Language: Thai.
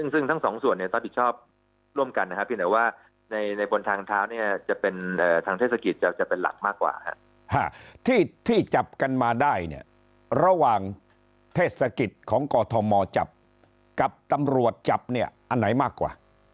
ซึ่งทั้งสองส่วนเนี่ยต้องผิดชอบร่วมกันนะครับเพียงแต่ว่าในบนทางเท้าเนี่ยจะเป็นทางเทศกิจจะเป็นหลักมากกว่าที่จับกันมาได้เนี่ยระหว่างเทศกิจของกอทมจับกับตำรวจจับเนี่ยอันไหนมากกว่า